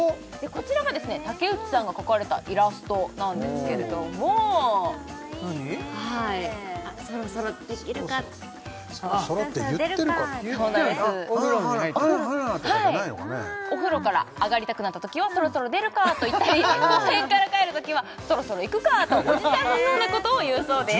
こちらが竹内さんが描かれたイラストなんですけれどもかわいいねはいそろそろ「ソロソロでるか！！」って「あらあら」とかじゃないのかね？お風呂から上がりたくなったときは「ソロソロでるか！！」と言ったり公園から帰るときは「そろそろ行くか」とおじさんのようなことを言うそうです